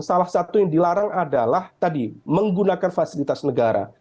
salah satu yang dilarang adalah tadi menggunakan fasilitas negara